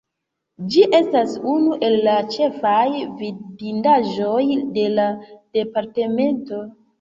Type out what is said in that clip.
Ĝi estas unu el la ĉefaj vidindaĵoj de la departemento.